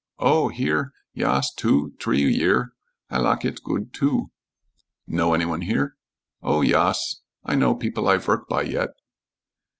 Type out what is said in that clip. "Oh, here? Yas, two, t'ree year. I lak it goot too." "Know any one here?" "Oh, yas. I know people I vork by yet."